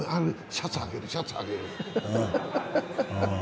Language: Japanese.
シャツあげる、シャツあげる。